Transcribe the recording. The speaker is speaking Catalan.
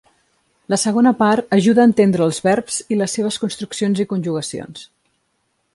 La segona part ajuda a entendre els verbs i les seves construccions i conjugacions.